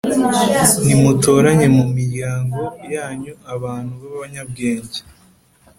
Nimutoranye mu miryango yanyu abantu b abanyabwenge